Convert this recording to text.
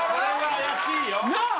怪しいよな。